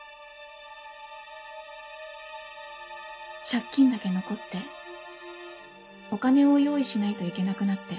借金だけ残ってお金を用意しないといけなくなって。